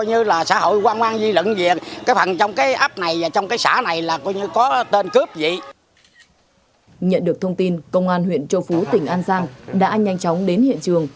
nhận được thông tin công an huyện châu phú tỉnh an giang đã nhanh chóng đến hiện trường